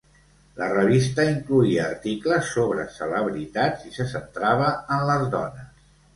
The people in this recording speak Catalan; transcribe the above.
La revista incloïa articles sobre celebritats i se centrava en les dones.